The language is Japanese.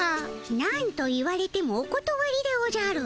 なんと言われてもおことわりでおじゃる。